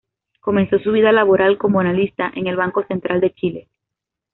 Comenzó su vida laboral como analista en el Banco Central de Chile.